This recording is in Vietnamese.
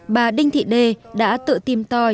bà đinh thị đê đã tự tìm to